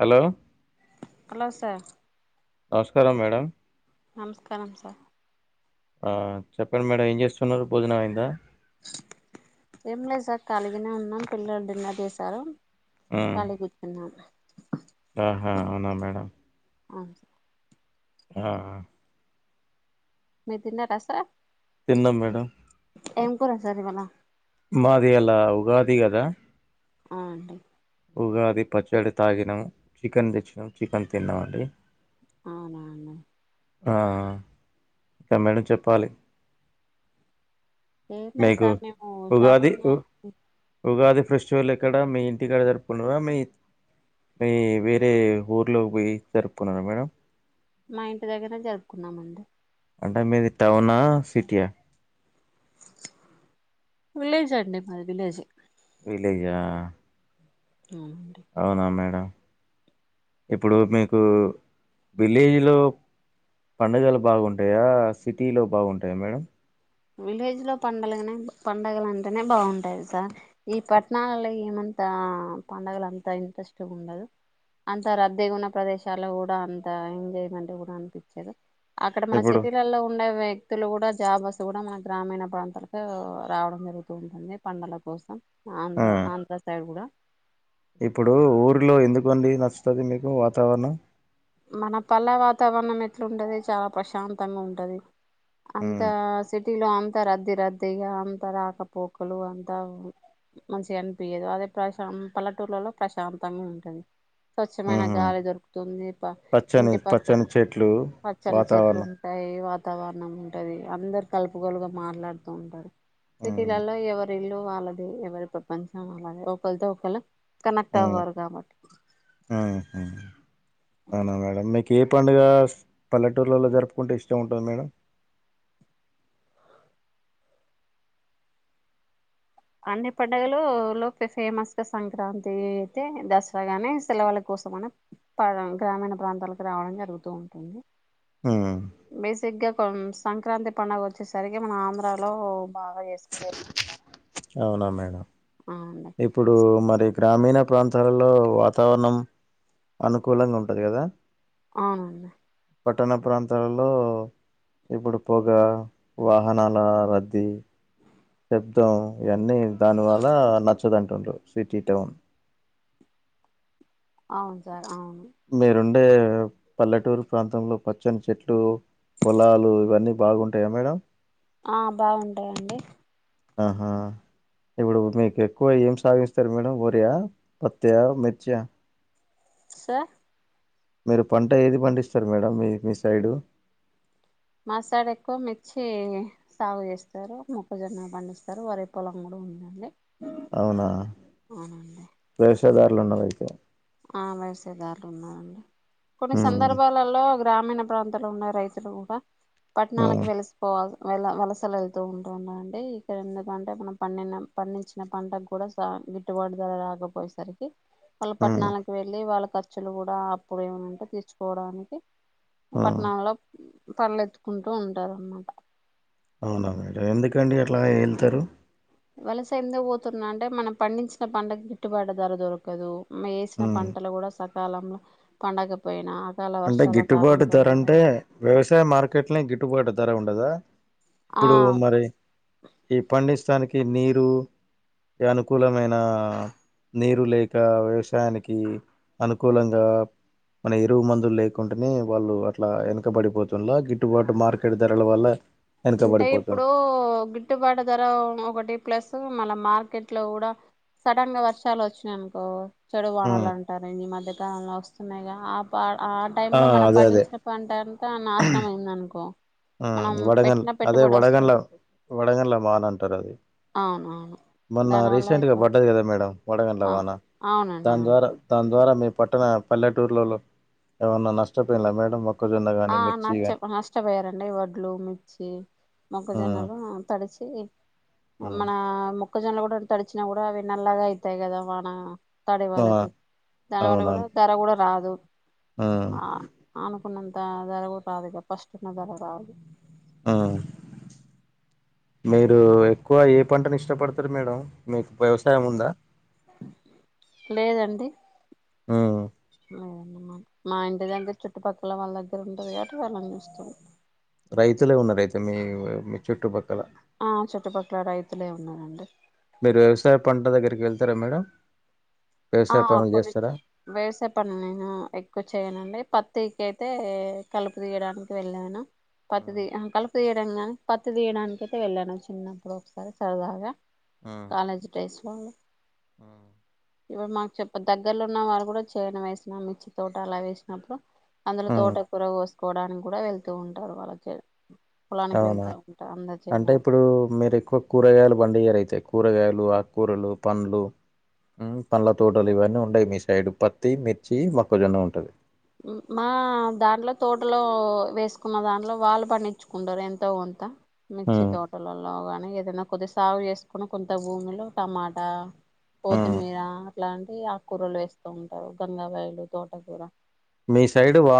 Hello కలాస నమస్కారం madam నమస్కారం సార్ ఆ చెప్పండి మేడం ఏం చేస్తున్నారు భోజనం ఐందా ఏం లేదు సార్ కాలిగనే ఉన్నాం పిల్లలు డిన్నర్ చేసారు హ్మ్ కాలీగ కూచున్నాం ఆహా అవునా మేడం అవును సార్ ఆఆ మీరు తిన్నారా సార్ తిన్నాం మేడం ఏం కూర సర్ ఇవాళ మాది అలా ఉగాది గదా ఆ అండి ఉగాది పచ్చడి తాగిన చికెన్ తెచ్చినా చికెన్ తిన్నాం అండి అవునా అవును ఆ ఇంకా మేడం చెప్పాలి ఏమ్ లేదు మీకు సార్ మేము ఉగాది షాపింగ్ ఉ మాల్ ఉగాది ఫెస్టివల్ ఎక్కడ మీ ఇంటిక్కాడ జరుపుకున్నార మీ మీ వేరే ఊర్లో పోయి జరుపుకున్నార మేడం మా ఇంటి దగ్గర జరుపుకున్నామండి అంటే మీది టౌనా సిటీయా [inaudible] వి అవునండి అవునా మేడం ఇప్పుడు మీకు విలేజ్ లో పడుగలు బాగుంటాయా సిటీలో బాగుంటాయా మేడం విలేజ్ లో పండగనే పండగలు అంటేనే బాగుంటాయి సా ఈ పట్టణాలలో ఏమ అంత పండుగల అంతా ఇంట్రెస్ట్ ఉండదు అంత రద్దీ ఉన్న ప్రదేశల్లో కూడా అంత ఎంజాయ్మెంట్ కూడా అనిపించారు అక్కడ మన ఇప్పుడు సిటీలలో ఉండే వ్యక్తులు కూడా జాబ్ వస్త కూడా మన గ్రామీణ ప్రాంతాలకు రావడం జరుగుతూ ఉంటుంది పండల కోసం ఆ ఆంధ్ర ఆంధ్ర సైడ్ కూడా ఇప్పుడు ఊర్లో ఎందుకుండి నచ్చుతుంది మీకు వాతావరణం మన పల్ల వాతావరణం ఎట్లా ఉంటది చాలా ప్రశాంతంగా ఉంటది అంత ఉమ్ సి వటిలో అంతా రద్దీ రద్దీగా అంత రాకపోకలు అంతా మంచిగా అనిపయదు అదే ప్రశా పల్లెటూర్లలో ప్రశాంతంగా ఉంటది స్వచ్ఛమైన ఉహు గాలి దొరుకుతుంది ప పచ్చని ఇంటి పక్కన పచ్చని చెట్లు పచ్చని చెట్లు వాతావరణం ఉంటాయి వాతావరణం ఉంటది అందరు కలుపుకలుగా మాట్లాడుతూ ఉంటారు ఉమ్ సిటీలలో ఎవరు ఎరి ఇల్లు వాళ్ళదిే ఎవరి ప్రపంచం వాళ్దిే ఒకరితో ఒకళ కనెక్ట్ ఉమ్ అవ్వారు కాబట్టి అనా మేడం కే పండుగ పల్లెటూరులలో జరుపుకుంటే ఇష్టం ఉంటుంది మేడం అన్ని పండుగలు లో ఫేమస్ గా సంక్రాంతి అయితే దసరాగానే సిలవకు కోసమ గ్రామీణ ప్రాంతాలకు రావడం జరుగుతూ ఉంటుంది ఉమ్ బేసిక్గా కొ సంక్రాంతి పడుగ వచ్చేసరికి మన ఆంధ్రాలో బాగా చేసుకుంటారా అవునా మేడం అవునండి ఇప్పుడు మరి గ్రామీణ ప్రాంతాలలో వాతావరణం అనుకూలంగా ఉంటుంది కదా ఆనంది పట్టణ ప్రాంతాలలో ఇప్పుడు పొగ వాహనాల రద్దీ యుద్ధం ఇవన్నీ దానివల్ల నచ్చదుంటుండారు సిటీ టౌన్ అవును సార్ అవును మీరుండే పల్లెటూరు ప్రాంతంలో పచ్చని చెట్లు పొలాలు ఇవన్నీ బాగుంటాయా మేడం ఆ బాగుంటాయంండి ఆహా ఇప్పుడు మీకు ఎక్కువ ఏం సాగిస్తారు మేడం వరియా పత్త మిర్చి స మీరు పంట ఏది పండిస్తారు మేడం మీ మీ సైడు మ సైడ్ ఎక్కువ మిర్చి సాగు చేస్తారు ఉం లే ఆ రక్షదారులు ఉన్నవయితే ఆ వైసేదారులు ఉన్నారంండి కొన్ని ఉమ్ సందర్భాలలో గ్రామీణ ప్రాంతాలు ఉన్న రైతులు కూడా పట్టణాలకు ఉమ్ వెలిసిపోవాలి వెల వలసలు వెళ్తూ ఉంటున్నా అండి ఇక్కడ ఎందుకంటే మనం పండిన పండించిన పంటకు కూడా సా గిట్టుబాటు ధర రాకపోయేసరికి అ ఉమ్ పట్టణాలకు వెళ్ళి వాళ్ళ ఖర్చులు కూడా అప్పుడు ఏమంటే తీర్చుకోవడానికి ఉమ్ పట్టణంలో పళ్ళెత్తుకుంటూ ఉంటారన్నమాట అవునా మేడం ఎందుకండి అట్లా వెళ్తారు వలస ఎంతోో పోతున్నా అంటే మనం పండించిన పంటగ గిట్టుబాటు ధర దొరకదు వేసిన ఉమ్ పంటలు కూడా సకాలంలో పండకపోయినా అకాల అంటే వర్షాల గిట్టుబాటు కారణంగా ధర కూడా అంటే వ్యవసాయ మార్కెట్లో గిట్టుబాటు ధర ఉండదా ఆ ఇప్పుడు మరి ఈ పండించానికి నీరు అనుకూలమైన నీరు లేక వ్యవసాయానికి అనుకూలంగా మన ఇరువు మంది లేకుంటడానే వాళ్ళు అట్లా వెనకబడిపోతులా గిట్టుబాటు మార్కెట్ ధరల వల్ల అంటే వెనకబడిపోతుంది ఇప్పుడు గిడ్డుబాట ధర ఒకటి ప్లస్ మళ్ళ మార్కెట్ లో కూడా సడన్ గా వర్షాలు వచ్చినాయి అనుకో చెడు ఉమ్ వాణలు అంటారం ఈ మధ్యకాలంలో వస్తున్నాయిగా ఆ పా ఆ టై లో మనం అదే అదే పండించిన పంట అంటే నాశనం అయింది అనుకో మనం వడగన్ పెట్టిన అదే పెట్టుబడి వడగన్ల వస్తుంది వడగన్ల వన అంటారు అది అవునవును మొన్న దానివల్ల రీసెంట్ గా ఇబ్బంది పడ్డది కదా మేడ వడగంల ఆ వాన అవునండి దాని అవును ద్వారా దా రీసెంట్ మీ పట్టణ పల్లెటూర్లలో ఏమన్నా నష్టపోయినలా మేడం మొక్కజొన్న ఆ గాని మిర్చి నచ్చ గాని నష్టపోయారండి వడ్ మిర్చి ఉమ్ మొగజొన్నలు తడిచ ఉమ్ మన ముొక్కజొన్నలు కూడా తడిచినా కూడా అవి నల్లాగా అయితాయి కదా వాన తాడే ఆ వాళ్ళకి దానివల్ల కూడా అవునవును ధర కూడా రాదు ఆ అనుకున్న జరగతుదు ఇ ఫస్ట్న్న జరగ రాదు ఆ మీరు ఎక్కువ ఏ పంటను ఇష్టపడతారు మేడం మీకు వ్యవసాయం ఉందా లేదండి ఆ లేదమ్మా మా ఇంటి దగ్గర చుట్టుపక్కల వాళ్ళ దగ్గర ఉంటుంది కాట్ వాళ్ళని చూస్తం రైతులే ఉన్నారు అయితే మీ మీ చుట్టుపక్కల ఆ చుట్టుపక్కల రైతులే ఉన్నారంండి మీరు వ్యవసాయ పంట దగ్గరికి వెళ్తారా మేడం ఆ వ్యవసాయ పనులు కొన్ని చేస్తారా వ్యవసాయ పనులు నేను ఎక్కువ చేయనండి ప తీక అయితే కలుపు తీయడానికి వెళ్ళాను పతి ఉమ్ కలుపు తీయడం గాని పతి తీయడానినికి అయితే వెళ్ళాను చిన్నప్పుడు ఒకసారి సరదాగా కాలేజ్ టడైస్ వాళు ఇప్పుడు మాకు చెప్ప దగ్గరలో ఉన్న వాారు కూడా చైనా వేసిన మిర్చి తోట అలా వేసినప్పుడు అందులో తోట కూూర కోసుకోవడానికి కూడా వెళ్తూ ఉంటారు వాళ్ళ పొలానికి అవునా వెళ్తా ఉంటారు అందరు అంటే చేను ఇప్పుడు మీరు ఎక్కువ కూర కాయలు అయితే ఎక్కువ కూరగాయలు ఆకూరలు పండ్లు పండ్ల తోటలు ఇవన్నీ ఉండయి మీ సైడ్ పత్తి మిర్చి మొక్కజొన్న ఉంటది మా దాంట్లో తోటలో వేసుకున్న దాంట్లో వాళ్ళు పండించుకుంటారు ఎంతో అంత మిర్చి ఉమ్ తోటలలోగానీ ఏదైనా కొద్ది సాగు చేసుకుని కొంత భూమిలో టమాటా ఉమ్ కొత్తిమీర అట్లాంటివి ఆకూరలు వేస్తూ ఉంటారు గంగావాయిలు తోటకూర మీ సైడ్ వా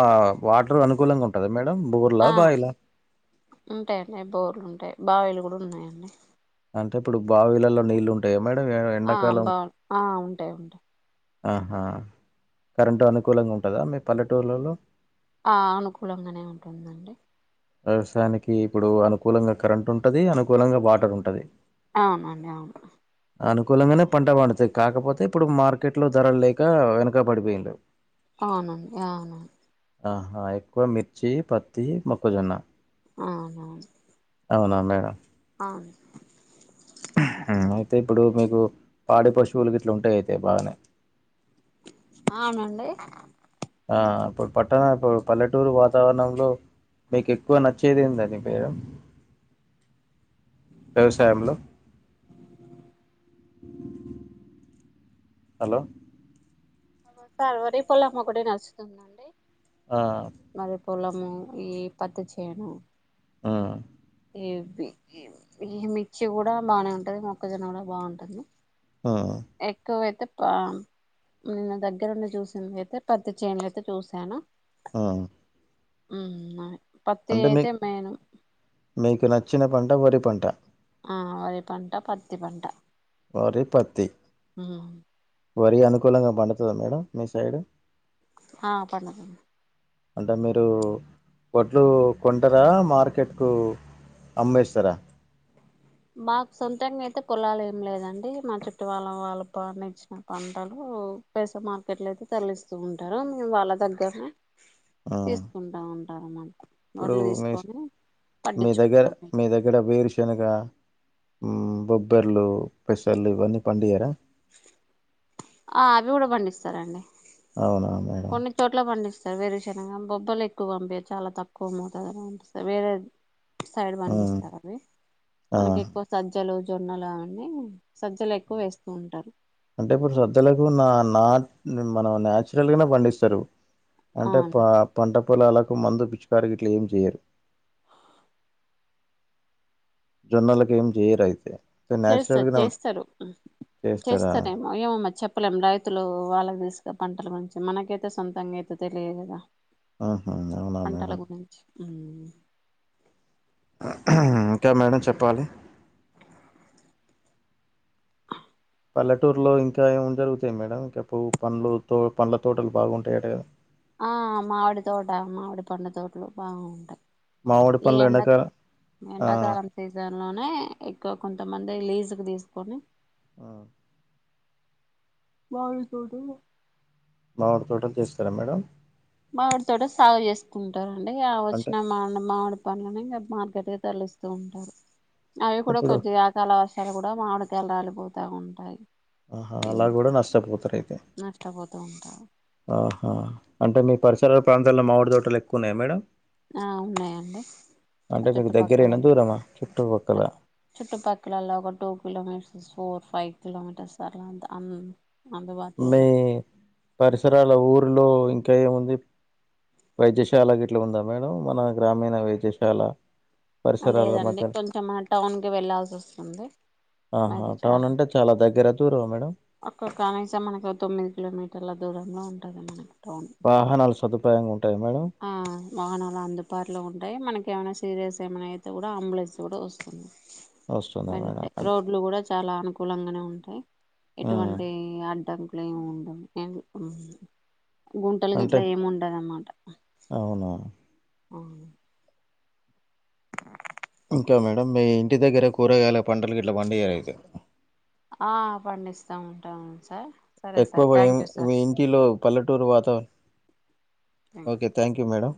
వాటర్ అనుకూలంగా ఉంటది ఆ ఉంటాయండి బోర్లు ఉంటాయి బావిలు కూడా ఉన్నాయండి అంటే ఇప్పుడు బావిలలో నీళ్ళలు ఉంటాయ మ ఆ అంబా ఆ ఉంటాయి ఉంటాయి ఆహా కరెంటు అనుకూలంగా ఉంటుందా మీ పల్లెటూళ్లలో అనుకూలంగానే ఉంటుందండి వ్యవసాయానికి ఇప్పుడు అనుకూలంగా కరెంట్ ఉంటది అనుకూలంగా వాటర్ ఉంటది అవునండి అవును అనుకూలంగానే పంట పండుతాయి కాకపోతే ఇప్పుడు మార్కెట్ లో ధరలు లేక వెనక పడిపోయిన్లు అవునండి అవును ఆహా ఎక్కువ మిర్చి పత్తి మొక్కజొన్న అవునవును అవునా మేడం అను అయితే ఇప్పుడు మీకు పాడి పశువులు ఇట్లు ఉంటాయి అయితే బాగానే అవునండి ఆ ఇప్పుడు పట్ట ఇప్పుడు పల్లెటూరు వాతావరణంలో మీకు ఎక్కువ నచ్చేది ఏందని బేరం వ్యవసాయంలో హలో వరి పొలమ్మ కూడా నడుచ్చుతుందండి ఆ! ఈ పత్తి చేేను ఉ యూపీ ఇవి ఈ మిర్చి కూడా బానే ఉంటది మొక్కజొన్న కూడా బాగుంటది ఆ! ఎక్కువేతే నిన్న దగ్గరుండి చూసింది అయితే పత్తి చేను అయితే చూశాను ఆ పత్తి అంటే అయితే మేను చిన్న పంట వరి పంట ఆ వరి పంట పత్తి పంట వరి పత్తి మ్మ్ వరి అనుకూలంగా పండుత డుతాదా మేడం మీ సైడ్ ఆ పండుతుంది అంటే మీరు వడ్లు కొంటారా మార్కెట్ కు అమ్మేస్తారా మాకు సొంతంగా అయితే పొలాలు ఏం లేదండి మా చుట్టు వాళ్ళ వాళ్ళు పండించిన పంటలు పైసా మార్కెట్ లో అయితే తరలిస్తూ ఉంటారు మేము వాళ్ళ దగ్గరనే ఆ! తీసుకుంటా ఉంటా మాట ఇప్పుడు మీ మీ దగ్గర పండించుకుంటాం మీ దగ్గర వేరుశెనగ ఉ బొబ్బెర్లు పెసలు ఇవన్నీ పండియర ఆ అవి కూడా పండిస్తారండి అవునా మేడం? కొన్ని చోట్ల పండిస్తా వేరుశనగం బొబ్బలు ఎక్కువ పంపి చాలా తక్కువ మోత ఉంట సార్ వేరే సైడ్ ఆ! పండిస్తారు అవి ఆ! మనకి ఎక్కువ సజ్జలు జొన్నలు అన్నీ అంటే ఇప్పుడు సజ్జలకు నా నా మన నచురల్ గా పండిస్తారు అంటే అవునా పంట పొలాలకు మందు పిచ్చుకారి ఇట్లా ఏం చేయరు జొన్నలకి ఏం చేయరు అయితే చేస్తారు నాచురల్గానే ఉంట చేస్తారు చేస్తారా చేస్తారేమో ఏమో మరి చెప్ప చెప్పలేం రైతులు వాళ్ళకి తెలిసిన పంటల గురించి మనకైతే సొంతంగా అయితే తెలియదు కదా ఆహా అవునా పంటల మేడం గురించి ఇంకా మేడం చెప్పాలి పల్లెటూరులో ఇంకా ఏమేం జరుగుతు ఐతే మేడం ఇంకాప్పు పండ్లు తో పండ్ల తోటలు బాగుంటాయట కదా ఆ మామిడి తోట మామిడి పండు తోటలు బాగు ఉంటాయి మామిడి ఈ పండ్లు ఎండక్ ఎండాకాలం ఆ ఎండాకాలం సీజన్ లోనే ఎక్కువ కొంటాం మందే లీజుకు తీసుకొని ఆ [inaudible] మామిడి తోటలు చేస్తారా మేడం మామిడి తోట సాగు చేసుకుంటారండి ఆ అంటే వచ్చిన మా మామిడి పండ్లనే ఇంకా మార్కెట్ తరలిస్తూ ఉంటారు అవి కూడా ఇప్పుడు కొంచెం ఆకాల ఇక్కడ కూడా మామిడికాయిలా రాలిపోతా ఉంటాయి ఆహా అలా కూడా నష్టపోతారు అయితే నష్టపోతూ ఉంటారు ఆ అంటే మీ పరిసరాల ప్రాంతాల్లో మామిడి తోటలు ఎక్కువ ఉన్నాయా మేడం ఆ ఉన్నాయండి ఆ అంటే మీకు చుట్టుపక్కల దగ్గరేనా దూరమా చుట్టుపక్కల చుట్టుపక్కలలా ఒక two kilometres four five kilometres సర అం మీ పరిసరాల ఊరిలో ఇంకా ఏముంది వైద్యశాల గిట్లా ఉందా మేడం మన గ్రామీణ వైద్యశాల పరిసరాల లేదండి మధ్య కొంచెం టౌన్ కి వెళ్ళల్సి వస్తుంది ఆహా టౌన్ అంటే చాలా దగ్గర దూరమా మేడం ఒక్కొ కనీసం మనకు తొమ్మిది కిలోమీటర్ల దూరంలో ఉంటది మనకి టౌన్ వాహనాలు సదుపాయం ఉంట ఆ వాహనాలు అందుబాటులో ఉంటాయి మనకి ఏమైన సీరియస్ ఏమైనా అయితే కూడా అంబులెన్స్ కూడా వస్తుంది వస్తుందా మేడం వెంట రోడ్లు కూడా చాలా అనుకు కూలంగానే ఉంటాయి ఉమ్ ఎటువంటి అడ్డంకులు ఏమి ఉండవు గుంటలు అంటే గిట్లా ఏమి ఉండదనుమట్ట అవునా ఆ ఇంకా మేడం మీ ఇంటి దగ్గర కూరగాయల పంటలు గిట్లా పండియరు ఐతే ఆ పండిస్తా ఉంటాము సార్ సరే సార్ ఎక్కువ ఏం థ్యాంక్ యూ సార్ మీ ఇంటిలో పల్లెటూరు వాతావరణం ఓకే థ్యాంక్ యూ మేడం